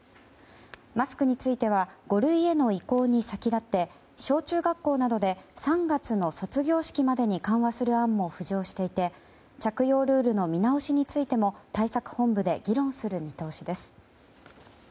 マスクについては五類への移行に先立って小中学校などで３月の卒業式までに緩和する案も浮上していて着用ルールの見直しについても対策本部で議論する見通しです。